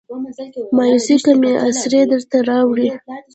مایوسۍ کې مې اسرې درته راوړي